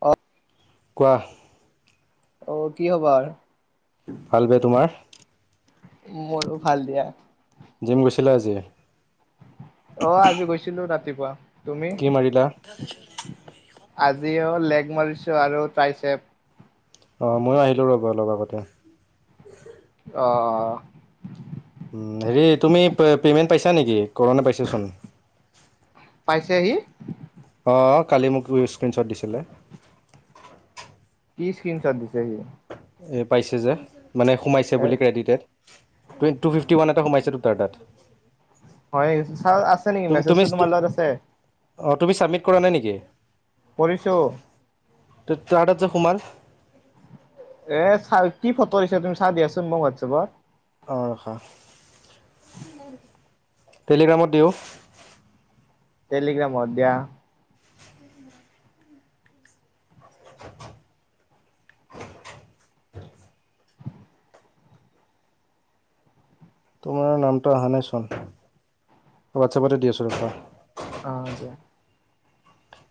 অ ৱাহ অ কি হবা ভাল বে তোমাৰ মোৰো ভাল দিয়া জিম গৈছিলে আজি অ আজি গৈছিলো ৰাতিপুৱা। তুমি কি মাৰিলা। আজিও লেগ মাৰিছো আৰু টাই চেপ। অঁ মইও আহিলোঁ [unintelligible] গতে। অ অহ উম হেৰি তুমি পে পেমেণ্ট পাইছা নেকি কৰোণে পাইছা চোন। পাইছেহি। অ কালি মোক স্ক্ৰীণশ্বট দিছিলে। কি স্ক্ৰীন শ্বট দিছে সি। এ পাইছে যে মানে সোমাইছে এ বুলি credited. Two two fifty one এটা সোমাইছে তোৰ তাত। হয় চাওঁ আছে নেকি তুমি মেছেজটো তোমাৰ লগত আছে। অ তুমি চাবমিট কৰা নাই নেকি। কৰিছো। তাৰ তাত যে সোমাল। এ চা কি ফটো দিছা তুমি চাও দিয়াচোন মোক হোৱাটছএপত। অ ৰখা টেলিগ্ৰামত দিওঁ। টেলিগ্ৰামত দিয়া। [unintelligible] তোমাৰ নামটো অহা নাইচোন হোৱাটছএপতে দি আছো ৰখা। অহ দিয়া।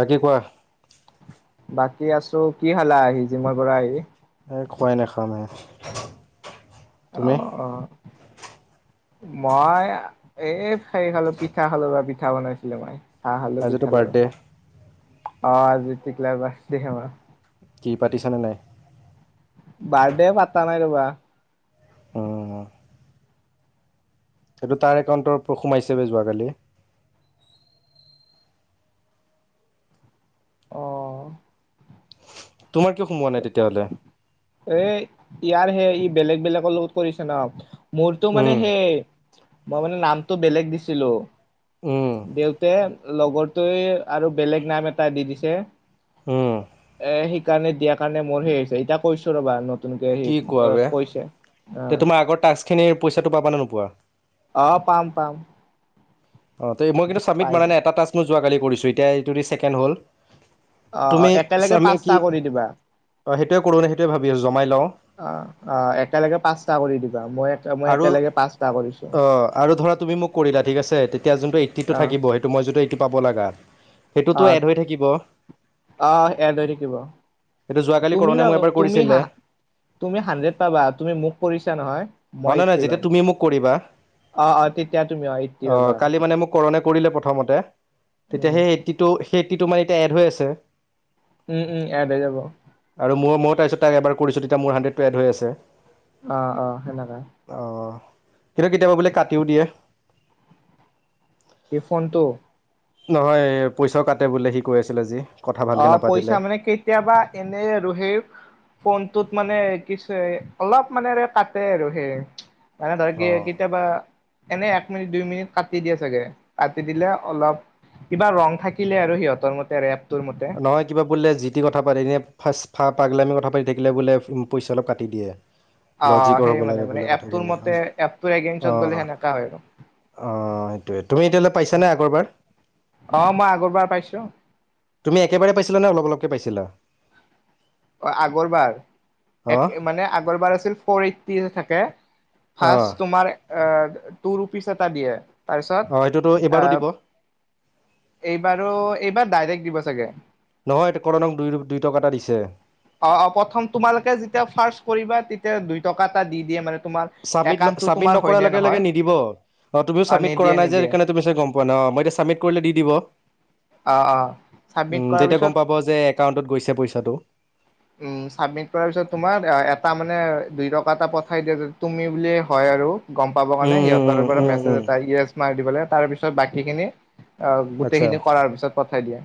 বাকী কোৱা। বাকী আছো কি খালা আহি জিম পৰা আহি। এই খোৱাই নাই নাখাম হে। অ অ অ। মই এ খেৰি খালো পিঠা খালো বা পিঠা বনাইছিলে মাই। হা হালো আজিতো পিঠাল আৰু বাৰ্থডে অ আ তিকলা বাছ দে মাৰ। [unintelligible] কি পাতিছনে নাই। বাৰ্ডে পাতা নাই ৰবা। উম সেইটো তাৰ একাউণ্টৰত সোমাইছে যোৱাকালি। অ। তোমাৰ কিয় সোমোৱা নাই তেতিয়া হ'লে। এ ইয়াৰ সে ই বেলেগ বেলেগৰ লগত কৰিছে ন মোৰতো উম মানে হেই। মই মানে নামটো বেলেগ দিছিলো। উম দেউত লগৰটোৱে আৰু বেলেগ নাম এটা দি দিছে। উম এ সেই কাৰণে দিয়াৰ কাৰণে মোৰ সেই হৈছে এতিয়া কৈছো ৰবা নত নতুন কে কি কোৱা সি বে কৈছে অ। তে তোমাৰ আগৰ টাস্ক খিনিৰ পইচাটো পাবা নে নোপোৱা। অ পাম পাম। অ মই কিন্তু চাবমিট [unintelligible] পাই মানে যাম এটা টাষ্ট মই যোৱাকালি কৰিছোঁ এতিয়া এইটো ছেকেণ্ড হ'ল। অ অ তুমি একেলগে চামি কি পাঁচটা কৰি দিবা অ সেইটোয়ে কৰো ন সেইটোয়ে ভাবি আছো জমাই লওঁ। অ অ একেলগে পাঁচটা কৰি দিবা মই। মই আৰু একেলগে পাঁচটা কৰিছো অ আৰু ধৰা তুমি মোক কৰিলা ঠিক আছে তেতিয়া যোনটো এইটি টো অ থাকিবই। মই যোটো এইটো পাব লগা সেইটোতো এড হৈ থাকিব। আহ এদ হৈ থাকিব যোৱাকালি তুমি কৰোণে বা মোক এবাৰ তুমি কৰিছিলে হাঁহ। অ তুমি হাড্ৰেড পাবা তুমি মোক কৰিছা নহয়। মই নহয় নহয় এইটটি যেতিয়া পিম তুমি মোক কৰিবা অ অ তেতিয়া তুমি অ এইটটি পাবা। কৰনে কৰিলে প্ৰথমতে তেতিয়া উম সেই এইটটি টো সেই এইটটি টো এতিয়া মানে এড হৈ আছে উম উম এড হৈ যাব। আৰু মই ময় তাৰছত তাই এবাৰ কৰিছো তেতিয়া মোৰ হাণ্ড্ৰেডটো এড হৈ আছে অ অ সেনকা অহ কিন্তু কেতিয়াবা বোলে কাটিও দিয়ে টিফোনটো নহয় এ পইচাও কাটে বোলে সি কৈ আছিল আজি কথা অ ভালকৈ নাপাতিলে পইচা মানে কেতিয়াবা এনে আৰু সেই ফোনটোত মানে কিচ এ অলপ মানেৰে কাটে আৰু সেইয়ে মানে ধৰ কে অঁ কেতিয়াবা এনে এক মিনিট দুই মিনিট কাটি দিয়ে চাগে কাটি দিলে অলপ কিবা ৰং থাকিলে আৰু সিহঁতৰ মতে ৰেপ নহয় কিবা বোলে যিটি কথা পাতি এনে ফাৰ্ষ ফা পাগলামি কথা পাতি থাকিলে বোলে উ পইচা অলপ কাটি দিয়ে অ' লজিকৰ সেই হ'ব মানে লাগে মানে বোলে এপটোৰ কথাখিনি মতে অজ এপটোৰ অ এগেইনষ্টত গ'লে সেনেকা হয় আৰু। অঁ সেইটোৱে তুমি এতিয়ালৈ পাইছানে আগৰবাৰ অ মই আগৰবাৰ পাইছো তুমি একেবাৰে পাইছিলা নে অলপ অলপকে পাইছিলা অ আগৰবাৰ অঁ এক মানে আগৰবাৰ আছিল ফ'ৰ এইটটি থাকে অঁ ফাৰ্ছ তোমাৰ এ টু ৰুপিচ এটা দিয়ে তাৰপিছত অঁ সেইটোতো এ এইবাৰো দিব এইবাৰো এইবাৰ ডাইৰেক্ট দিব চাগে নহয় এইটো কৰণক দুই দুই টকা এটা দিছে অ অ প্ৰথম তোমালোকে যেতিয়া ফাৰ্ছ কৰিবা তেতিয়া দুই টকা এটা দি দিয়ে মানে তোমাৰ চাবমিট ন একাউণ্টটো ছাবমিট তোমাৰ হয় নকৰা নে লগে নহয় নিদিব অ তুমি অ' চাবমিট কৰা নিদিয়ে নাই যে নিদিয়ে সেইকাৰণে তুমি চে গম পোৱা ন মই এতিয়া চাবমিট কৰিলে দি দিব অ' অ' চাবমিট উম কৰাৰ যেতিয়া পিছত গম পাব যে একাউণ্টত গৈছে পইচাটো উ ছাবমিট কৰাৰ পিছত তোমাৰ এ এটা মানে দুই টকা এটা পঠাই দিয়ে যে তুমি বুলিয়ে হয় আৰু গম পাব উম কাৰণে উম সিহঁতৰ উম পৰা উম মেছেজ উম এটা ই এছ মাই দিবলে তাৰ পিছত বাকীখিনি অ আচ্ছা গোটেইখিনি কৰাৰ পিছত পঠাই দিয়া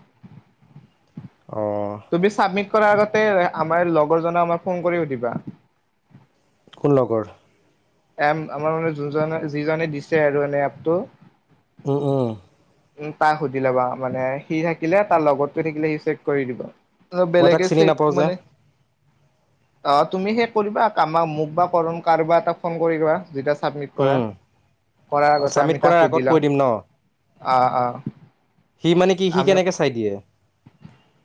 অঁ তুমি চাবমিট কৰাৰ আগতে আমাৰ লগৰজন আমাক ফোন কৰি সুধিবা কোন লগৰ এপ আমাৰ মানে যোজনে যিজনে দিছে আৰু এনে এপটো উ উ উ তাক সুধি লবা মানে সি থাকিলে তাৰ লগটোৱে থাকিলে সি চেক কৰি দিব চ মই তাক বেলেগে চিনি ছেক নাপাওঁ যে মানে অ তুমি শেষ কৰিবা কা আমা মোক বা কৰণ কাৰোবা এটা ফোন কৰিবা যেটা চাবমিট কৰা উম কৰাৰ আগতে চাবমিট আমি তাক কৰাৰ আগত সুধি কৈ লম দিম ন অ অ সি মানে কি সি কেনেকে চাই দিয়ে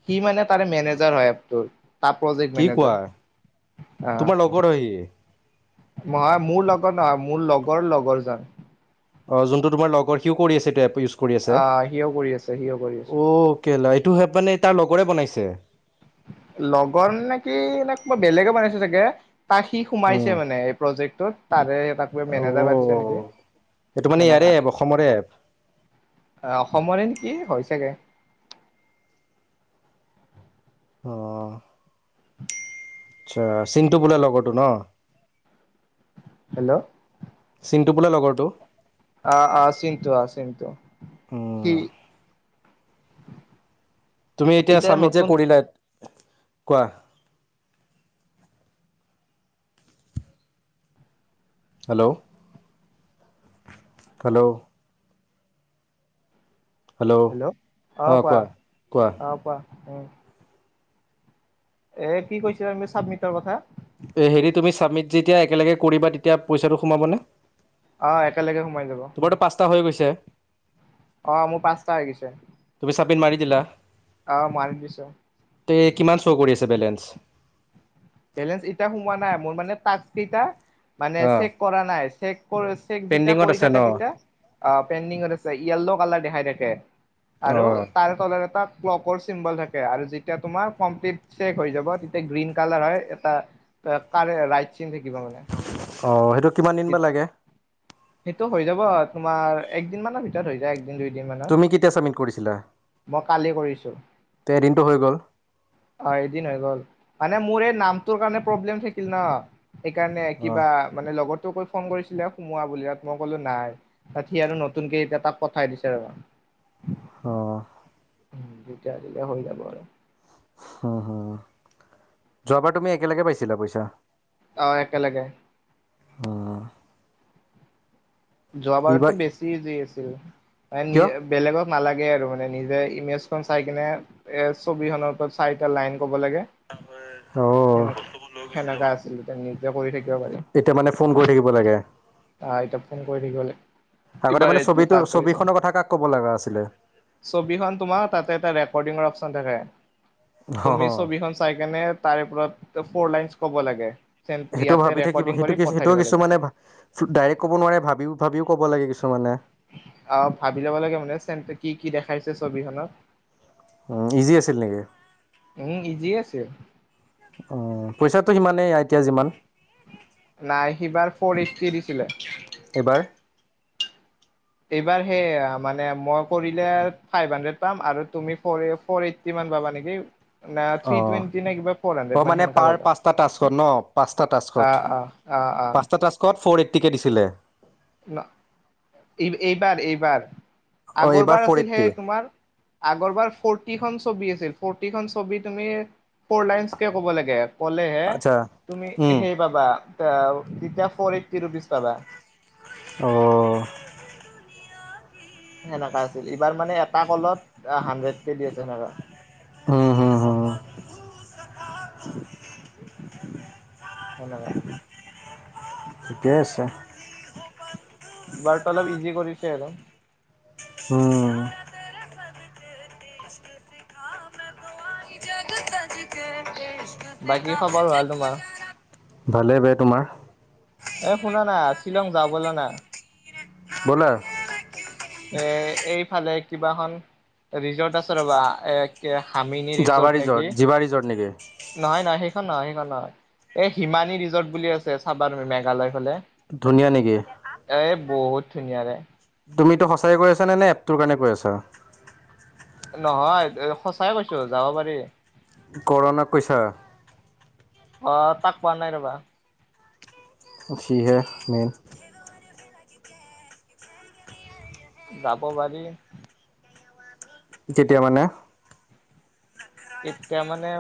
সি মানে তাৰে মেনেজাৰ হয় এপ টোৰ তাৰ প্ৰজেক্ট কি মেনেজাৰ অ হৈয়ে নহয় মোৰ লগৰ নহয় মোৰ লগৰ লগৰ জন অ যোনটো তোমাৰ লগৰ সিও কৰি আছে এইটো এপ ইউছ আ সিও কৰি আছে সিও কৰি অ আছে কেলা এইটো হেপ মানে তাৰ লগৰে বনাইছে লগৰ নেকি নে কোনবা বেলেগে বনাইছে চাগে তাত সি উম সোমাইছে মানে প্ৰজেক্টটোত তাৰে মেনেজাৰ পাতিছে নেকি অ এইটো মানে ইয়াৰে সেনেকা। এপ অসমৰে এপ অ অসমৰে নেকি হয় চাগে। অ' আচ্ছা চিণ্টু বোলো লগৰটো ন। হেল্ল' চিণ্টু বোলা লগৰটো। অ' অ' চিন্তু অ চিন্তু উম সি তুমি এতিয়া ছাবমিট যে কৰিলা, কোৱা? হেল্ল' হেল্ল' হেল্ল' অ কোৱা অ কোৱা। উম। এ কি কৈছিলা তুমি চাবমিটৰ কথা? এ হেৰি তুমি চাবমিট যেতিয়া একেলগে কৰিবা তেতিয়া পইচাটো সোমাব নে? অ' একেলগে সোমাই যাব। তোমাৰটো পাঁচটা হৈ গৈছে? অ' মোৰ পাঁচটা হৈ গৈছে। তুমি চাবমিট মাৰি দিলা অ' মই আনি দিছো। তে কিমান শ্ব' কৰি আছে বেলেঞ্চ? বেলেঞ্চ এতিয়া সোমোৱা নাই, মোৰ মানে টাক্স কেইটা মানে অ' চেক কৰা নাই চেক চেক যেতিয়া পেণ্ডিঙত কৰি আছে ন থাকে তেতিয়া পেইণ্ডিঙত আছে য়েল্ল' কালাৰ দেখাই থাকে। আৰু অ' তাৰ তলত এটা ক্লকৰ চিম্বল থাকে। আৰু যেতিয়া তোমাৰ কমপ্লিট চেক হৈ যাব তেতিয়া গ্ৰীণ কালাৰ হয়। এটা কাৰ ৰাইট চিন থাকিব মানে। অ সেইটো কিমান দিন বা লাগে? সেইটো হৈ যাব তোমাৰ একদিন মান হৈ যায় একদিন দুইদিন মানৰ তুমি কেতিয়া চাবমিট কৰিছিলা মই কালি কৰিছো। তে এদিনটো হৈ গ'ল? অ' এদিন হৈ গ'ল। মানে মোৰ এই নামটোৰ কাৰণে প্ৰব্লেম থাকিল ন? সেইকাৰণে অ' কিবা মানে লগৰটো ফোন কৰিছিলে সোমোৱা বুলি তাত, মই ক'লো নাই। তাত সি আৰু নতুনকে এতিয়া তাক পঠাই দিছে ৰ। অ' দুটা দিলে হৈ যাব আৰু। অ অ'। যোৱাবাৰ তুমি একেলগে পাইছিলা পইচা? অ' একেলগে। যোৱাবাৰতো এইবাৰ বেছি ইজি আছিল। মানে কিয় নিজে বেলেগক নালাগে আৰু মানে নিজে ইমেজখন চাই কিনে এ ছবিখনৰ ওপৰত চাৰিটা লাইন ক'ব লাগে। অ'। সেনে সেনেকা আছিল নিজে কৰি থাকিব পাৰি। এতিয়া মানে ফোন কৰি থাকিব লাগে। আহ এতিয়া ফোন কৰি থাকিব লাগে আগতে এইবাৰ মানে এইটো ছবিটো টাস্ক ছবি আহিছে খনৰ কথা কাক ক'ব লগা আছিলে? ছবিখন, তোমাৰ তাতে এটা ৰেকৰ্ডিংৰ অপচন থাকে। তুমি অ' ছবিখন চাই কেনে তাৰে ওপৰত ফ'ৰ লাইনছ ক'ব লাগে। সেইটো ইয়াতে ভাবি থাকিব ৰেকৰ্ডিং সেইটো কৰি কিছু পঠাই সেইটোও দিব লাগে। কিছুমানে ডাইৰেক্ট ক'ব নোৱাৰে ভাবিও ভাবিও ক'ব লাগে কিছুমানে? অ' ভাবি ল'ব লাগে মানে চেন্ত কি কি দেখাইছে ছবিখনত? ইজি আছিল নেকি? উম ইজি আছিল। অ পইচাটো সিমানেই এতিয়া যিমান নাই সিবাৰ ফ্ৰ'ৰ এইটি দিছিলে। এইবাৰ এইবাৰ সেইয়া মানে মই কৰিলে ফাইভ হাণ্ড্ৰেড পাম আৰু তুমি ফ ফ'ৰ এইট টিমান পাবা নেকি নে থি অ' টোয়েণ্টি নে কিবা ফৰ হাডেড অ' মান মানে সেনেকা পাৰ পাবা পাঁচটা টাস্কত ন পাঁচটা অ অ অ অ কত ফ্ৰৰ এইটিকে দিছিলে ন এই এইবাৰ এইবাৰ অ' এইবাৰ আগৰবাৰ ফ'ৰ আছিল এইট্টি সেই তোমাৰ আগৰবাৰ ফৰটিখন ছবি আছিল ফৰটিখন ছবি তুমি ফৰ লাইনচকে ক'ব লাগে ক'লেহে আচ্ছা তুমি উম, সেই পাবা আ তেতিয়া ফৰ এইটটি ৰুপিজ পাবা অ সেনেকা আছিল এইবাৰ মানে এটা কলত হাড্ৰেড কে দি আছে সেনেকা উম হুম হুম সেনেকা ঠিকে আছে বাৰ্তালাপ ইজি কৰিছে আৰু উম বাকী খবৰ ভাল তোমাৰ ভালেই বে তোমাৰ এ শুনা না শ্বিলং যাওঁ বলা না ব'লা এ এইফালে কিবা‌ এখন ৰিজৰ্ট আছে ৰ'বা এ হামিনী যাবা ৰিজৰ্ট নেকি জিবা ৰিজৰ্ট নেকি নহয় নহয় সেইখন নহয় সেইখন নহয় এই হিমানী ৰিজৰ্ট বুলি আছে চাবা তুমি মেঘালয় ফালে ধু ধুনীয়া নেকি এ বহুত ধুনীয়া বে তুমি এইটো সচায় কৈ আছা নে এপটোৰ কাৰণে কৈ‌ আছা নহয় সঁচাই কৈছো যাব পাৰি কৰণক কৈছা অ তাক কোৱা নাই ৰবা অ সিহে মেইন যাব পাৰি কেতিয়া মানে কেতিয়া মানে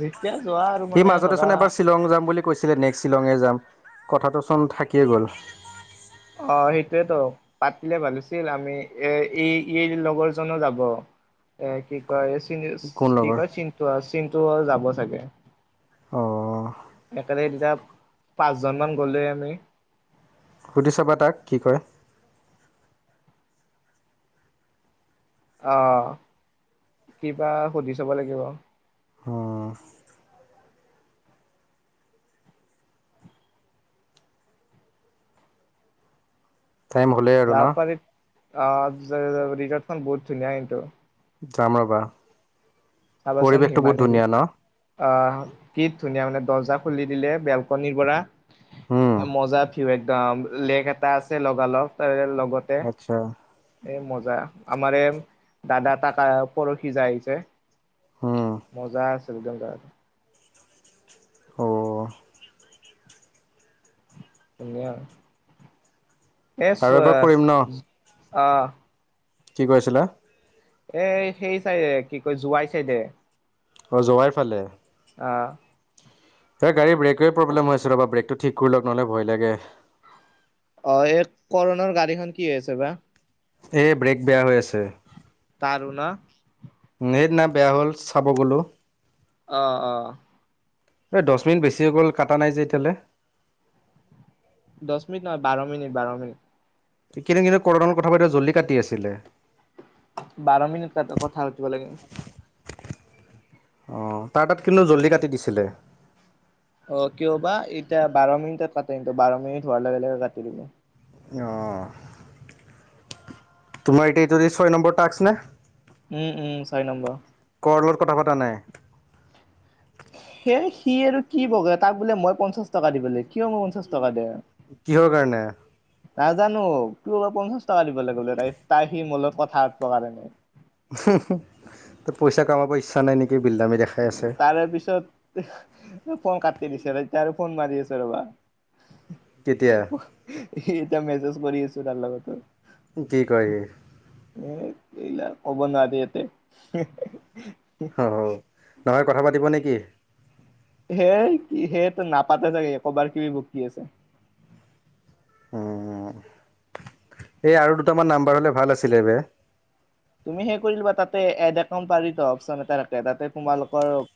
যেতিয়া যোৱা আৰু সি মানে মাজতে ধৰা চোন এবাৰ শ্বিলং যাম বুলি কৈছিলে নেক্সট শ্বিলঙে যাম কথাটো চোন থাকিয়ে গ'ল অ সেইটোৱেতো পাতিলে ভাল আছিল আমি এ এই এই লগৰ জনো যাব এ কি কয় চি কোন কি লগৰ কয় চিনটু চিনটু যাব চাগে অ একেলগে তেতিয়া পাঁচজনমান গ'লে আমি সুধি চাবা তাক কি কয় অ কিবা সুধি চাব লাগিব উম টাইম হ'লেই আৰু য ন পাৰি অঁ, ৰিজৰ্ট খন বহুত ধুনীয়া সেইটো। যাম ৰ'বা, পৰিৱেশটো বহুত ধুনীয়া ন। অঁ, কি ধুনীয়া মানে দৰ্জা খুলি দিলে বেলকনিৰ পৰা উম মজাত- একদম লেক এটা আছে লগালগ এ লগতে- আচ্ছা। এই মজা। আমাৰ এ দাদা তাকা পৰহি যায় আহিছে। উম। মজা আছিল একদম যা। অঁ। ধুনীয়া। এ চ আৰু এবাৰ কৰিম ন আহ। কি কৈ আছিলা? এ সেই চাই কি কয়? জোৱাই চাই দে। অঁ, জোৱাইৰ ফালে। অঁ। এই গাড়ীৰ ব্ৰেকে প্ৰব্লেম আছে ৰবা, ব্ৰেকটো ঠিক কৰি লগ নহলে ভয়ে লাগে। অঁ, এই কৰণৰ গাড়ীখন কি হৈ আছে বা? এই ব্ৰেক বেয়া হৈ আছে। তাৰো ন। সেইদিনা বেয়া হ'ল চাব গ'লো। অঁ, অঁ। এই দহ মিনট বেছি হৈ গ'ল, কাটা নাই যে এতিয়ালৈকে। দছ মিনিট নহয়, বাৰ মিনিট- বাৰ মিনিট। কিন্তু- কিন্তু কৰ্ণৰ লগত কথা পাতি জল্দি কাটি আছিলে। বাৰ মিনিট পাতো কথা পাতিব লাগে। অঁ, তাৰ তাত কিন্তু জল্দি কাটি দিছিলে। অঁ, কিয় বা এতিয়া বাৰ মিনিটত কাটে বাৰ মিনিট হোৱাৰ লগে লগে কাটি দিম। অঁ, তোমাৰ এতিয়া এইটো ছয় নম্বৰ তাস্ক নে? উম, উম, ছয় নম্বৰ। কৰ্ণৰ লগত কথা পতা নাই। সেই সি আৰু কি বগা, তাক বোলে মই পঞ্চাশ টকা দিবলৈ লাগে। কিয় মোক পঞ্চাশ টকা দিওঁ? কিহৰ কাৰণে? নাজানোঁ, তোৰ ব পঞ্চাশ টকা দিব লাগিব বোলে। তাই -তাই সি মোৰ লগত কথা পতাৰ কাৰণে। তোৰ পইচা কমাব ইচ্ছা নাই নেকি? বিললাে [unintelligible] তাৰে পিছত - ফোন কাটি দিছে ৰবা, এতিয়া আৰু ফোন মাৰি আছে ৰবা। কেতিয়া সি এতিয়া মেছেজ কৰি আছে তাৰ লগতোৰ। কি কৰে সি? এ এতিয়া ক'ব নোৱাৰি ইয়াতে। অঁ, নহয় কথা পাতিব নে কি? হেই কি, সেইটো নাপাতে চাগৈ কবাৰ কি বকি আছে। উম, উম, এই আৰু দুটামান নাম্বাৰ হ'লে ভাল আছিলে বে। তুমি সেই খুলি লোৱা, তাতে এড একাউন্ট পাৰি ত অপচন এটা থাকে, তাতে তোমালোকৰ-